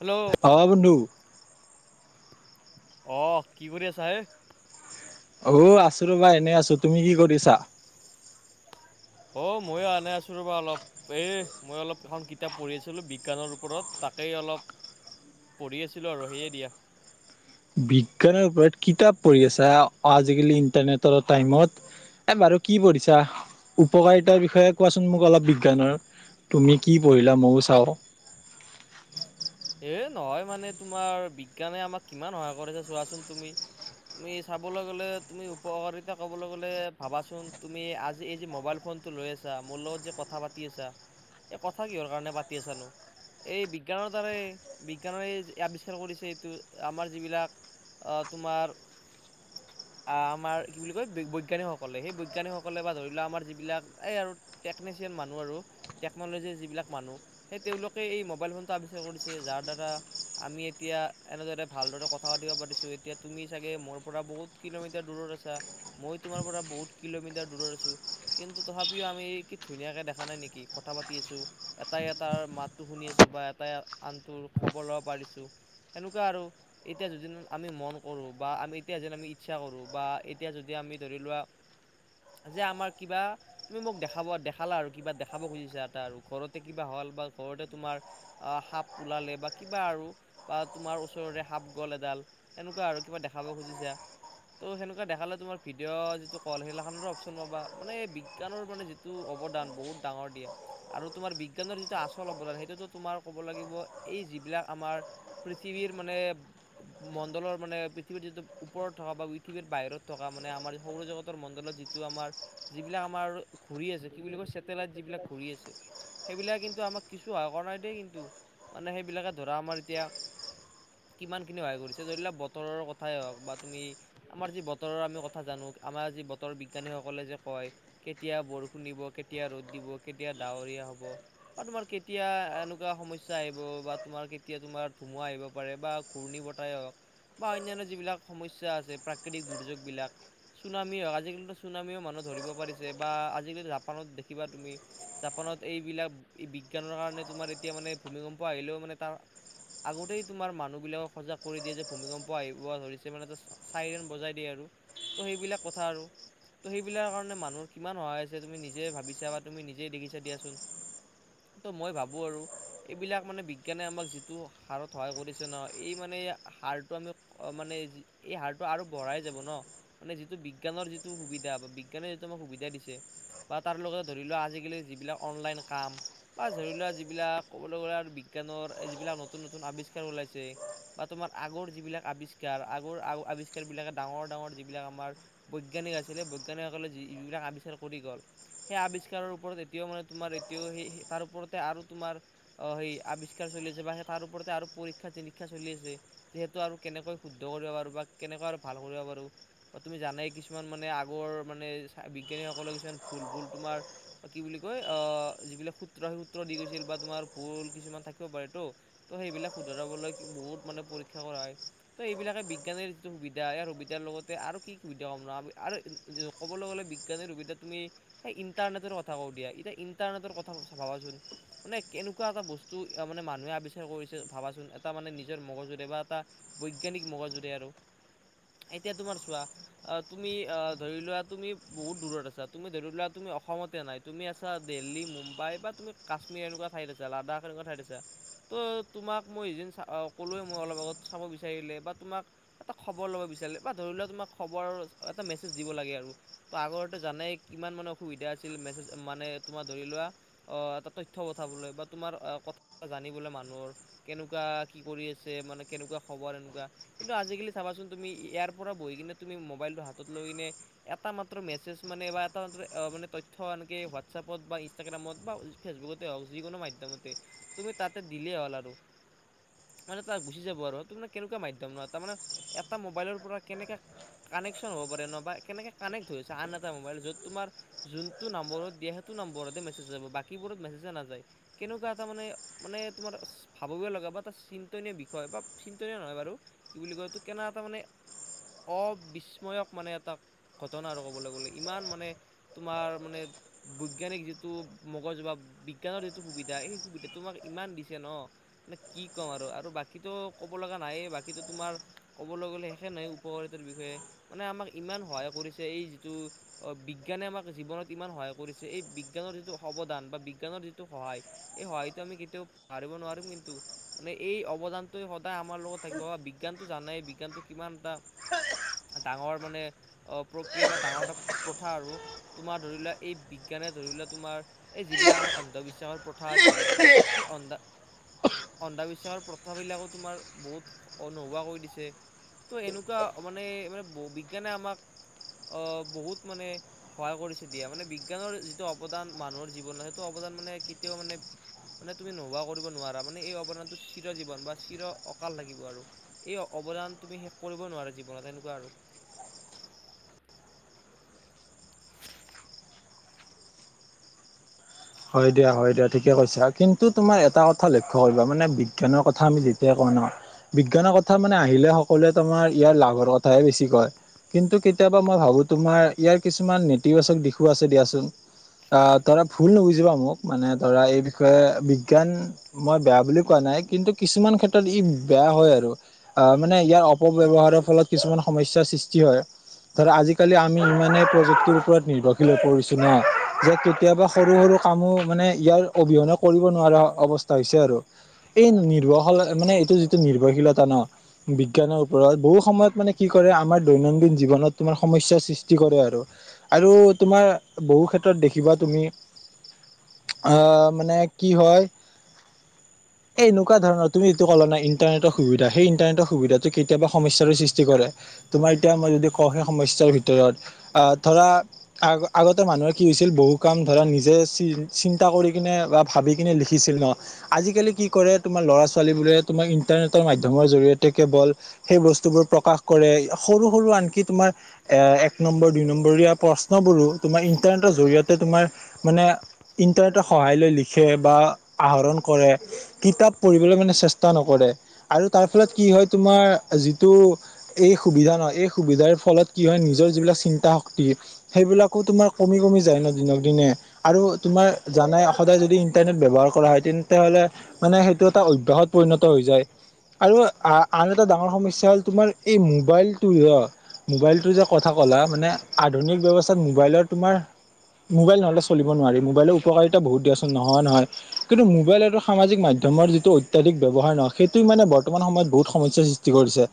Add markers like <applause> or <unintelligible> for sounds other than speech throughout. Hello অ বন্ধু। আহ কি কৰি আছা হে অ আছো ৰ'বা এনে আছো তুমি কি কৰিছা অ ময়ো আনে আছো ৰ'বা অলপ এ মই অলপ এখন কিতাপ পঢ়ি আছিলো বিজ্ঞানৰ ওপৰত তাকেই অলপ পঢ়ি আছিলোঁ আৰু সেয়েই দিয়া বিজ্ঞানৰ ওপৰত কিতাপ পঢ়ি আছে আজিকালি ইন্টাৰনেটৰ টাইমত এ বাৰু কি পঢ়িছা উপকাৰিতাৰ বিষয়ে কোৱাচোন মোক অলপ বিজ্ঞানৰ তুমি কি পঢ়িলা ময়ো চাওঁ <inaudible> এই নহয় মানে তোমাৰ বিজ্ঞানে আমাক কিমান সহায় কৰিছে চোৱাচোন তুমি তুমি চাবলৈ গলে তুমি উপকাৰিতা কবলৈ গলে ভাবাচোন তুমি আজি এই যে মোবাইল ফোন টো লৈ আছা মোৰ লগত যে কথা পাতি আছা এই কথা কিহৰ কাৰণে পাতি আছানো এই বিজ্ঞানত <unintelligible> বিজ্ঞানৰেই আৱিষ্কাৰ কৰিছে এইটো আমাৰ যিবিলাক তোমাৰ আমাৰ কি বুলি কয় বৈজ্ঞানিকসকলে সেই বৈজ্ঞানিকসকলে বা ধৰি লোৱা আমাৰ যিলাক এই আৰু ট্ৰেকনি ছিয়ান মানুহ আৰু টেকন'লজিৰ যিবিলাক মানুহ সেই তেওঁলোকে এই মোবাইল ফোনটো আৱিষ্ কাৰ কৰিছে যাৰ দ্বাৰা আমি এতিয়া এনেদৰে ভালদৰে কথা পাতিব পাৰিছো এতিয়া তুমি চাগে মোৰ পৰা বহুত কিলোমিটাৰ দূৰত আছা মই তোমাৰ পৰা বহুত কিলোমিটাৰ দূৰত আছোঁ কিন্তু তথাপি তথাপিও আমি কি ধুনীয়াকে দেখা নাই নেকি কথা পাতি আছোঁ এটাই এটাৰ মাতটো শুনি আছোঁ বা এটাই আনটোৰ খবৰ ল'ব পাৰিছোঁ। সেনেকুৱা আৰু এতিয়া যদি আমি মন কৰোঁ বা এতিয়া যদি আমি ইচ্ছা কৰোঁ বা এতিয়া যদি আমি ধৰি লোৱা যে আমাৰ কিবা তুমি মোক দেখাব দেখালা আৰু কিবা দেখাব খুজিছা এটা আৰু ঘৰতে কিবা হ হ'ল বা ঘৰতে তোমাৰ সাপ ওলালে বা কিবা আৰু বা তোমাৰ ওচৰৰে সাপ গ'ল এডাল এনেকুৱা আৰু কিবা দেখাব খুজিছা। ত' সেনেকুৱা দেখালে তোমাৰ ভডিঅ' যিটো কল সেইগা খানাৰো অপশন পাবা মানে বিজ্ঞানৰ মানে যিটো অৱদান বহুত ডাঙৰ দিয়া আৰু তোমাৰ বিজ্ঞানৰ যিটো আচল অৱদান সেইটোতো তোমাৰ ক'ব লাগিব। এই যিবিলাক আমাৰ পৃথিৱীৰ মানে মণ্ডলৰ মানে পৃথিৱীৰ যিটো ওপৰত থকা বা পৃথিৱীৰত বাহিৰত থকা মানে আমাৰ সৌৰজগতৰ মণ্ডলত যিটো আমাৰ যিবিলাক আমাৰ ঘৰি কি আছে কি বুলি কয় চেটেলাইট যিবিলাক ঘূৰি আছে সেইবিলাক কিন্তু আমাক কিছু অহা কৰা নাই দেই কিন্তু। মানে সেইবিলাকে ধৰা আমাৰ এতিয়া কিমানখিনি সহায় কৰিছে ধৰি লওঁক বতৰৰ কথাই হওঁক বা তুমি আমাৰ যি বতৰৰ আমি কথা জানো। আমাৰ আজি বতৰ বিজ্ঞানীসকলে যে কয় কেতিয়া বৰষুণ দিব, কেতিয়া ৰ'দ দিব, কেতিয়া ডাৱৰি দিয়া হ'ব আৰু তোমাৰ কেতিয়া এনেকুৱা সমস্য আহিব বা তোমাৰ কেতিয়া তোমাৰ ধুমুহা আহিব পাৰে বা ঘূৰ্ণী বতাই হওক। বা অন্যান্য যিবিলাক সমস্যা আছে প্ৰাকৃতিক দুৰ্যোগ বিলাক। চুনামি হ আজিকালিতো চুনামীয়েও মানুহ ধৰিব পাৰিছে বা আজিকালি জাপানত দেখিবা তুমি জাপান। ত এইবিলাক বিজ্ঞানৰ কাৰণে তোমাৰ এতিয়া মানে ভূমিকম্প আহিলেও মানে তাৰ আগতেই তোমাৰ মানুহ বিলাকক সজাগ কৰি দিয়ে যে ভূমিকম্প আহিব ধৰিছে মানে চাইলেন বজাই দিয়ে আৰু ত' সেইবিলাক কথা আৰু ত' সেইবিলাক কাৰণে মানুহৰ কিমান সহায় আছে তুমি নিজে ভাবিছা বা তুমি নিজেই দেখিছা দিয়াচোন। ত মই ভাবো আৰু এইবিলাক মানে বিজ্ঞানে আমাক যিটো হাৰত সহায় কৰিছে ন' এই মানে হাৰটো আমি মানে এই হাৰটো আৰু বঢ়াই যাব ন' মানে যিটো বিজ্ঞানৰ যিটো সুবিধা বা বিজ্ঞানে যিটো আমাক সুবিধা দি ছে বা তাৰ লগত ধৰি লোৱা আজিকালি যিবিলাক অনলাইন কাম বা ধৰি লোৱা যিবিলাক ক'বলৈ গ'লে আৰু বিজ্ঞানৰ যিবিলাক নতুন নতুন আৱিষ্কাৰ ওলাইছে বা তোমাৰ আগৰ যিবিলাক আৱিষ্কাৰ কাৰ আগ আৱিষ্কাৰবিলাকে ডাঙৰ ডাঙৰ যিবিলাক আমাৰ বৈজ্ঞানিক আছিলে, বৈজ্ঞানিকসকলে যি-যিবিলাক আৱিষ্কাৰ কৰি গ'ল, সেই আৱিষ্কাৰৰ ওপৰত এতিয়াও মানে তোমাৰ এতিয়াও সেই তাৰ ওপৰতে আৰু তোমাৰ অ', সেই আৱিষ্কাৰ চলি আছে বা সেই তাৰ ওপৰতে আৰু পৰীক্ষা চৰীক্ষা চলি আছে যিহেতু আৰু কেনেকৈ শুদ্ধ কৰিব পাৰোঁ বা কেনেকুৱা আৰু ভাল কৰিব পাৰোঁ। বা তুমি জানাই কিছুমান মানে আগৰ মানে বিজ্ঞানীসকলৰ কিছুমান ভুল ভুল তোমাৰ বা কি বুলি? গৈ অ যিবিলাক সূত্ৰ সেই সূত্ৰ দি গৈছিল বা তোমাৰ ভুল কিছুমান থাকিব পাৰে তো সেইবিলাক শুধৰাবলৈ বহুত মান পৰক্ষ হয়াক। বিজ্ঞানীৰ যিটো সুবিধা ইয়াৰ সুবিধাৰ লগতে আৰু কি সুবিধা <unintelligible> আৰু ক'বলৈ গ'লে বিজ্ঞানীৰ সুবিধা তুমি ইণ্টাৰনেটৰ কথা কও দিয়া এতিয়া ইন্টাৰনেটৰ কথা ভাবাচোন মানে কেনেকুৱা এটা বস্তু মানে মানুহে আৱিষ্কাৰ কৰিছে ভাবাচোন এটা মানে নিজৰ মগজুৰে বা এটা বৈজ্ঞা নিক মগজুৰে আৰু এতিয়া তোমাৰ চোৱা আহ তুমি আহ ধৰি লোৱা তুমি বহুত দূৰত আছা তুমি ধৰি লোৱা তুমি অসমতে নাই তুমি আছা দেল্লী মুম্বাই বা তুমি কাশ্মীৰ এনেকুৱা ঠাইত আছা লাডা এনেকুৱা ঠাইত আছে ত' তোমাক মই সেই যে ক'লোৱে মই অলপ আগত চাব বিচাৰিলে বা তোমাক এটা খবৰ ল'ব বিচাৰিলে বা ধৰি লোৱা তোমাক খবৰ এটা মেজ দিব লাগে আৰু আগ আগতে জানাই কিমান মানে অসুবিধা আছিল মেছেজ মানে তোমাৰ ধৰি লোৱা অ এটা তথ্য পঠ পঠাবলৈ বা তোমাৰ আহ কথা জানিবলে মানুহৰ কেনেকুৱা কি কৰি আছে মানে কেনেকুৱা খবৰ এনেকুৱা কিন্তু আজিকালি চাবাচোন তুমি ইয়াৰ পৰা বহি কিনে তুমি মোবাইলটো হাতত লৈ কিনে এটা মাত্ৰ মেছেজ মানে বা এটা মানে তথ্য এনেকে হোৱাটছএপত বা ইনষ্টাগ্ৰামত বা ফেচবুকত তে হক যিকোনো মাধ্যমতে তুমি তাতে দিলেই হ'ল আৰু মানে তাৰ গুচি যাব আৰু তাৰমানে কেনেকুৱা মাধ্যম নহ তাৰমানে এটা মোবাইলৰ পৰা কেনেকে কানেকশ্বন হব পাৰে ন বা কেনেকে কানেক হৈছে আন এটা মোবাইল য'ত তোমাৰ যোনটো নম্বৰত দিয়া নম্বৰতে মেছেজ যাব বাকীবোৰত মেছেজ নাযায় কেনেকুৱা এটা মানে মানে তোমাৰ ভাবিবলগীয়া বা এটা চিন্তনীয় বিষয় বা চিন নিয় নহয় বাৰু কি বুলি কয় এইটো কেনে এটা মানে অবিস্ময়ক মানে এটা ঘটনা আৰু ক'বলৈ গ'লে ইমান মানে তোমাৰ মানে বৈজ্ঞানিক যিটো মগজ বা বি বিজ্ঞানৰ যিটো সুবিধা সেই সুবিধাটো তোমাক ইমান দিছে ন মানে কি ক'ম আৰু বাকীতো ক'ব লগা নাই বাকীতো তোমাৰ কবলৈ গ'লে শেষে নহয় উপকাৰিতাৰ বিষয়ে মানে আমাক ইমান সহায় কৰিছে এই যিটো বিজ্ঞানে আমাক জীৱনত ইমান সহায় কৰিছে এই বিজ্ঞানৰ যিটো অৱদান বা বিজ্ঞানৰ যিট টো সহায় এই সহায়টো আমি কেতিয়াও পাহৰিব নোৱাৰিম কিন্তু মানে এই অৱদানটোৱে সত এটা আমাৰ লগত থাকিব বা বিজ্ঞানটো জানেই বিজ্ঞানটো কিমান এটা ডাঙৰ মানে অ', প্ৰক্ৰিয়া বা ডাঙৰ এটা প্ৰথা আৰু তোমাৰ ধৰি লোৱা, এই বিজ্ঞা তেনে ধৰি লোৱা, তোমাৰ এই যিবিলাক আমাৰ অন্ধবিশ্বাসৰ প্ৰথা আছিল, সেই অন্ধা অন্ধবিশ্বাসৰ প্ৰথাবিলাকো তোমাৰ বহুত নোহোৱা কৰি দিছে। ত' এনেকুৱা মানে, মানে ব-বিজ্ঞানে আমাক অ', বহুত মানে সহায় কৰিছে, দিয়া মানে বিজ্ঞানৰ যিটো অৱদান মানুহৰ জীৱনৰ সেইটো অবদান মানে কেতিয়াও মানে, মানে তুমি নোহোৱা কৰিব নোৱাৰা, মানে এই অৱদানটো চিৰজীৱন বা চিৰ অ' কাল লাগিব আৰু, এই অৱদান তুমি শেষ কৰিব নোৱাৰা জীৱনত এনেকুৱা আৰু হয় দিয়া, হয় দিয়া, ঠিকে কৈছা, কিন্তু তোমাৰ এটা কথা লক্ষ্য কৰিবা মানে বিজ্ঞানৰ কথা আমি যেতিয়া কওঁ <unintelligible> বিজ্ঞানৰ কথা মানে আহিলে সকলোৱে তোমাৰ ইয়াৰ লাভৰ কথাহে বেছি কয়। কিন্তু কেতিয়াবা মই ভাবোঁ তোমাৰ ইয়াৰ কিছুমান নেতিবাচক দিশো আছে দিয়াচোন। আ, ধৰা ভুল নুবুজিবা মোক, মানে ধৰা এই বিষয়ে বিজ্ঞান মই বেয়া বুলি কোৱা নাই কিন্তু কিছুমান ক্ষেত্ৰত ই বেয়া হয়, আৰু আ, মানে ইয়াৰ অপব্যৱহাৰৰ ফলত কিছুমান সমস্যা সৃষ্টি হয়। ধৰা আজিকালি আমি ইমানেই প্ৰযুক্তিৰ ওপৰত নিৰ্ভৰশীল হৈ পৰিছো ন' যে, কেতিয়াবা স সৰু, সৰু কামো মানে ইয়াৰ অবিহনে কৰিব নোৱাৰা অৱস্থা হৈছে আৰু এই নিৰ্ভৰশ মানে এইটো যিটো নিৰ্ভৰশীলতা ন' বিজ্ঞানৰ ওপৰত বহু সময়ত মানে কি কৰে আমাৰ দৈনন্দিন জীৱনত তোমাৰ সমস্যাৰ সৃষ্টি কৰে আৰু, আৰু তোমাৰ বহু ক্ষেত্ৰত দেখিবা তুমি আ, মানে কি হয়? এই এনেকুৱা ধৰণৰ তুমি যিটো ক'লা না ইণ্টাৰনেটৰ সুবিধা সেই ইণ্টাৰনেটৰ সুবিধাটো কেতিয়াবা সমস্যাৰো সৃষ্টি কৰে। তোমাৰ এতিয়া মই যদি কওঁ সেই সমস্যাৰ ভি ভিতৰত, আহ ধৰা আগ-আগতে মানুহে কি হৈছিল বহু কাম ধৰা নি যে চি-চিন্তা কৰি কিনে বা ভাবি কিনে লিখিছিল ন। আজিকালি কি কৰে তোমাৰ ল'ৰা ছোৱালীবোৰ যে তোমাৰ ইন্টাৰনেটৰ মাধ্যমৰ জৰিয়তে কেৱল সেই বস্তুবোৰ প্ৰকাশ কৰে। সৰু সৰু আনকি তোমাৰ এ এক নম্বৰ দুই নম্বৰীয়া প্ৰশ্নবোৰো তোমাৰ ইন্টাৰনেটৰ জৰিয়তে তোমাৰ মানে ইণ্টাৰনেটৰ সহায় লৈ লিখে বা আহৰণ কৰে কিতাপ পঢ়িবলৈ মানে চেষ্টা নকৰে। আৰু তাৰ ফলত কি হয় তোমাৰ যিটো এই সুবিধা ন এই সুবিধাৰ ফলত কি কি হয় নিজৰ যিবিলাক চিন্তা শক্তি সেইবিলাকো তোমাৰ কমি কমি যায় ন দিনক দিনে। আৰু তোমাৰ জানাই সদায় যদি ইণ্টাৰনেট ব্যৱহাৰ কৰা হয় তেন্তে হ'লে মানে সেইটো এটা অভ্যাসত পৰিণত হৈ যায় আৰু আ-আন এটা ডাঙৰ সমস্যা হ'ল তোমাৰ এই মোবাইলটো অ'। মোবাইলটো যে কথা ক'লা মানে আধুনিক ব্যৱস্থাত মোবাইলৰ তোমাৰ মোবাইল নহ'লে চ মোবাইলৰ উপকাৰিতা বহুত দিয়াচোন নোহোৱা নহয়। কিন্তু মোবাইল আৰু সামাজিক মাধ্যমৰ যিটো অত্যাধিক ব্যৱহাৰ ন, সেইটোই মানে বৰ্তমান সময়ত বহুত সমস্যাৰ সৃষ্টি কৰিছে।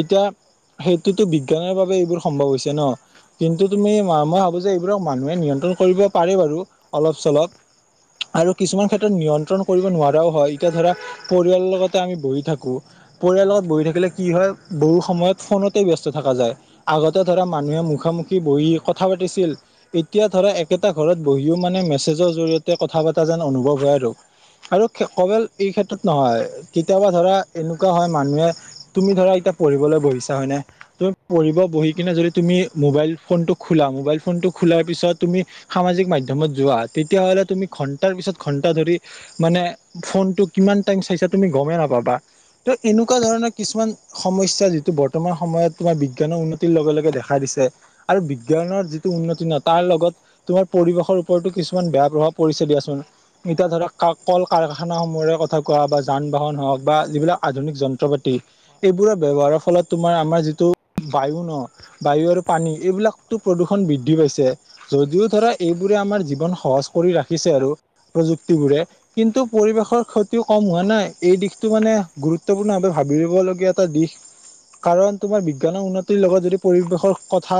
এতিয়া সেইটোতো বিজ্ঞানৰ বাবে এইবোৰ সম্ভৱ হৈছে ন। কিন্তু তুমি ম-মই ভাবো যে এইবোৰক মানুহে নিয়ন ন্ত্ৰণ কৰিব পাৰে বাৰু অলপ চলপ। আৰু কিছুমান ক্ষেত্ৰত নিয়ন্ত্ৰণ কৰিব নোৱাৰাও হয়। এতিয়া ধৰা পৰিয়ালৰ লগতে আমি বহি থাকো। পৰিয়াল লগত বহি থাকিলে কি হয় বহু সময়ত ফোনতে ব্যস্ত থকা যায়। আগতে ধৰা মানুহে মুখ মুখামুখি বহি কথা পাতিছিল। এতিয়া ধৰা এক একেটা ঘৰত বহিও মানে মেছেজৰ জৰিয়তে কথা পতা যেন অনুভৱ হয় আৰু। আৰু কে কৱেল এই ক্ষেত্ৰত নহয়, কেতিয়াবা ধৰা এনেকুৱা হয় মানুহে তুমি ধৰা এতিয়া পঢ়িবলৈ বহিছা হয়নে, তুমি পঢ়িব বহি কিনে যদি তুমি মোবাইল ফোনটো খোলা মোবাইল ফোনটো খোলাৰ পিছত তুমি সামাজিক মাধ্যমত যোৱা তেতিয়ালে তুমি ঘন্টাৰ পিছত ঘন্টা ধৰি মানে ফোনটো কি ইমান টাইম চাইছা তুমি গমেই নাপাবা ত এনেকুৱা ধৰণৰ কিছুমান সমস্যা যিটো বৰ্তমান সময়ত তোমাৰ বিজ্ঞানৰ উন্নতিৰ লগে লগে দেখা দিছে আৰু বিজ্ঞানৰ যিটো উন্নতি নয় তাৰ লগত তোমাৰ পৰিৱেশৰ ওপৰতো কিছুমান বেয়া প্ৰভাৱ পৰিছে দিয়াচোন এতিয়া ধৰাক ক কল কাৰখানা সমমূহৰে কথা কোৱা বা যান বাহন হওক বা যিবিলাক আধুনিক যন্ত্ৰপাতি এইবোৰৰ ব্যৱহাৰৰ ফলত তোমাৰ আমাৰ যিটো বায়ু ন বায়ু আৰু পানী এইবিলাকতো প্ৰদূষণ বৃদ্ধি পাইছে যদিও চৰা এইবোৰে আমাৰ জীৱন সহজ কৰি ৰাখিছে আৰু প্ৰযুক্তিবোৰে কিন্তু পৰিৱেশৰ ক্ষতিও কম হোৱা নাই এই দিশতটো মানে গুৰুত্বপূৰ্ণ ভাৱে ভাল ৰিবলীয়া এটা দিশ কাৰণ তোমাৰ বিজ্ঞানৰ উন্নতিৰ লগত যদি পৰিৱেশৰ কথা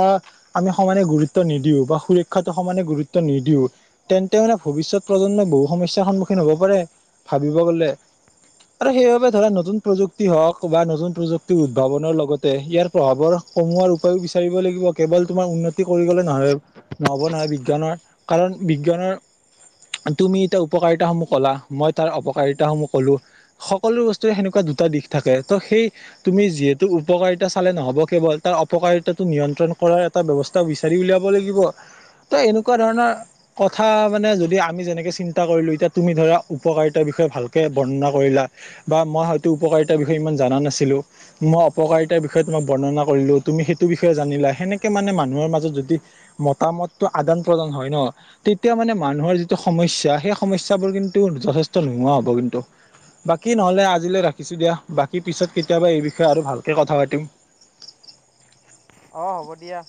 আমি সমানে গুৰুত্ব নিদিও বা স শিক্ষাটো সমানে গুৰুত্ব নিদিও তেন্তোনে ভৱিষ্যত প্ৰজন্মই বহু সমস্যয়াৰ সন্মুখীন হ'ব পাৰে ভাবিব গ'লে আৰু সেইবাবে ধৰা নতুন প্ৰযুক্তি হওক বা নতুন প্ৰযুক্তিৰ উদ্ভাৱনৰ লগতে ইয়াৰ প্ৰভাৱৰ কমোৱাৰ উপায়ো বিচাৰিব লাগিব কেৱল তোমাৰ উন্নতি কৰিব গ'লে নহয়। নহব নহয় বিজ্ঞানৰ কাৰণ বিজ্ঞানৰ তুমি এতিয়া উপকাৰিতাসমূহ ক'লা, মই তাৰ অপকাৰিতাসমূহ ক'লো, সকলো বস্তুৱে সেনেকুৱা দুটা দিশ থাকে, ত'সেই তুমি যিহেতু উপকাৰিতা চালে নহ'ব কেৱল তাৰ অপকাৰিতাটো নিয়ন্ত্ৰণ কৰাৰ এটা ব্যৱস্থা বিচাৰি উলিয়াব লাগিব। অ তো এনেকুৱা ধৰণৰ কথা মানে যদি আমি যেনেকে চিন্তা কৰিলো এতিয়া তুমি ধৰা উপকাৰিতাৰ বিষয়ে ভালকৈ বৰ্ণনা কৰিলা বা মই হয়তো উপকাৰিতাৰ বিষয়ে ইমান জনা নাছিলোঁ মই অপকাৰিতা বিষয়ে তোমাক বৰ্ণনা কৰিলো তুমি সেইটো বিষয়ে জানিলা সেনেকে মানে মানুহৰ মাজত যদি মতামততটো আদান প্ৰদান হয় ন তেতিয়া মানে মানুহৰ যিটো সমস্যা সেই সমস্যা বোৰ কিন্তু যথেষ্ট নোহোৱা হ'ব কিন্তু বাকী নহলে আজিলৈ ৰাখিছোঁ দিয়া বাকী পিছত কেতিয়াবা এই বিষয়ে আৰু ভালকে কথা পাতিম অ হ'ব দিয়া